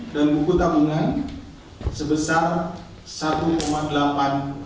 dan buku tamungan sebesar rp satu delapan ratus